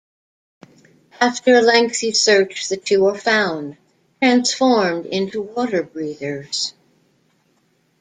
After a lengthy search the two are found, transformed into water breathers.